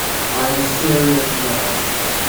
I am a serious man.